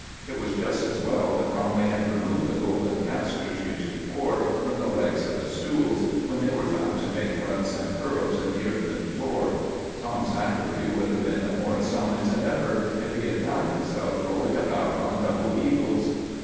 It was just as well that Bromley had removed the golden casters, years before, from the legs of the stools, when they were found to make ruts and furrows in the earthen floor. Tom Zachary would have been more astonished than ever if he had found himself rolling about on double eagles.